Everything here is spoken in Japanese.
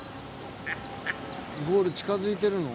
ゴール近づいてるの？